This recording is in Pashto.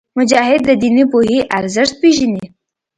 مجاهد د دیني پوهې ارزښت پېژني.